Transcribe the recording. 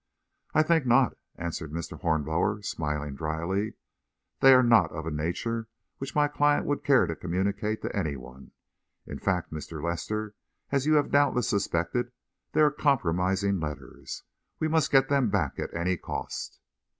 "I think not," answered Mr. Hornblower, smiling drily. "They are not of a nature which my client would care to communicate to any one. In fact, Mr. Lester, as you have doubtless suspected, they are compromising letters. We must get them back at any cost."